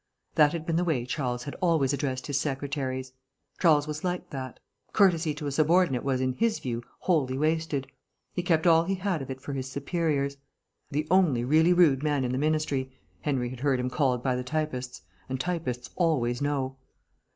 That had been the way Charles had always addressed his secretaries; Charles was like that. Courtesy to a subordinate was, in his view, wholly wasted. He kept all he had of it for his superiors. "The only really rude man in the Ministry," Henry had heard him called by the typists, and typists always know.